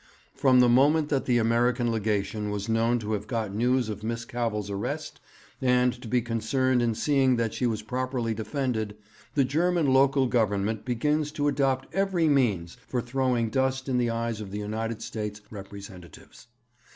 From the moment that the American Legation was known to have got news of Miss Cavell's arrest and to be concerned in seeing that she was properly defended, the German local Government begins to adopt every means for throwing dust in the eyes of the United States representatives.